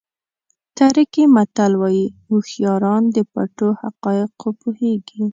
ترکي متل وایي هوښیاران د پټو حقایقو پوهېږي.